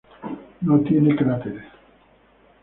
No tiene cráteres.